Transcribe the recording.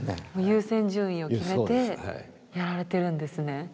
優先順位を決めてやられてるんですね。